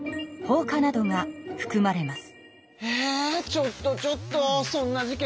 ちょっとちょっとそんな事件